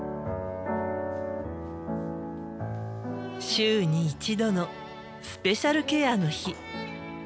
週に１度のスペシャルケアの日。